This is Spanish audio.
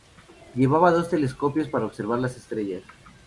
Llevaba dos telescopios para observar las estrellas.